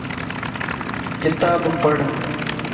کتاب پڙھ